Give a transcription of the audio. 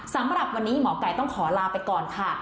สำหรับวันนี้หมอไก่ต้องขอลาไปก่อนค่ะ